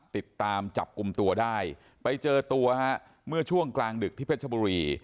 ติดตามจับกลุ่มตัวได้ไปเจอตัวฮะเมื่อช่วงกลางดึกที่เพชรบุรี